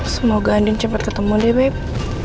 semoga anding cepat ketemu deh babe